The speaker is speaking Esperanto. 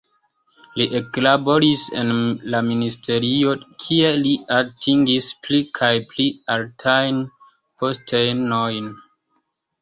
Li eklaboris en la ministerio, kie li atingis pli kaj pli altajn postenojn.